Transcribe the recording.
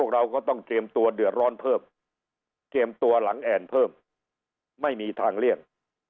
เราก็ต้องเตรียมตัวเดือดร้อนเพิ่มเตรียมตัวหลังแอ่นเพิ่มไม่มีทางเลี่ยง